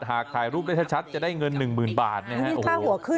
หากถ่ายรูปให้ชัดจะได้เงินหนึ่งหมื่นบาทไอ้นี่โอ้โห